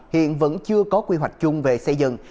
hiện vẫn chưa có quy hoạch chung về xây dựng